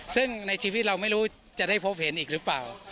ซึ่งในชีวิตเราไม่รู้จะได้พบเห็นอีกหรือเปล่า